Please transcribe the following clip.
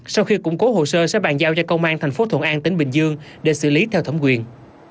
sau khi củng cố hồ sơ sẽ bàn giao cho công an thành phố thuận an tỉnh bình dương để xử lý theo thẩm quyền